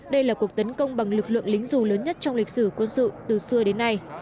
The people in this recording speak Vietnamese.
đây là cuộc tấn công bằng lực lượng lính dù lớn nhất trong lịch sử quân sự từ xưa đến nay